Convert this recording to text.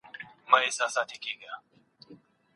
نه پوهيږم څنګه وسوه